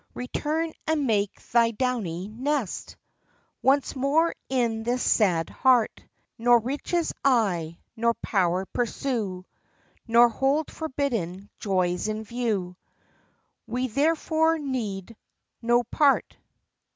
Return and make thy downy nest Once more in this sad heart: Nor riches I, nor power pursue, Nor hold forbidden joys in view; We therefore need not part."